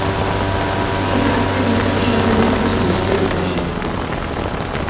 He had not previously shown an interest in spearfishing.